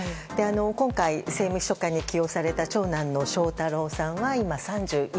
今回、政務秘書官に起用された長男の翔太郎さんは今、３１歳。